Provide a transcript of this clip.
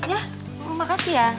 ya makasih ya